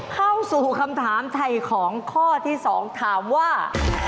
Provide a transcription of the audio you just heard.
เข้าสู่คำถามไทยของข้อที่๒ถามว่า